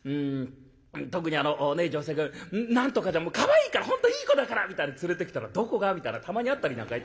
特にあの女性が「何とかちゃんかわいいから本当いい子だから」みたいに連れてきたら「どこが？」みたいなたまにあったりなんかいたします。